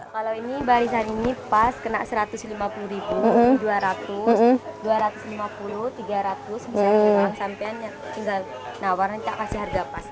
kalau ini barisan ini pas kena rp satu ratus lima puluh rp dua ratus rp dua ratus lima puluh rp tiga ratus misalnya rp lima ratus sampai yang tinggal nawar nggak kasih harga pas